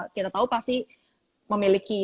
kita tahu pasti memiliki